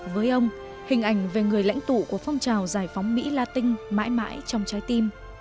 với ông hình ảnh về người lãnh tụ của phong trào giải phóng mỹ la tinh mãi mãi trong trái tim